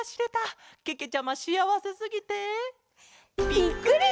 ぴっくり！